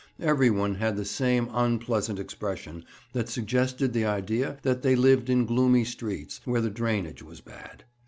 Every one had the same unpleasant expression that suggested the idea that they lived in gloomy streets, where the drainage was bad.